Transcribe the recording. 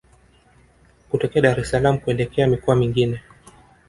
Kutokea Dar es salaam kuelekea mikoa mingine